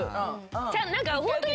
何かホントに。